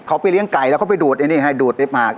เขาไปเลี้ยงไก่แล้วเขาไปดูดอันนี้ไงดูดในปาก